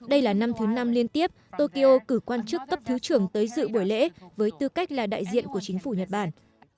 đây là năm thứ năm liên tiếp tokyo cử quan chức cấp thứ trưởng tới dự buổi lễ với tư cách là đại diện của chính phủ nhật bản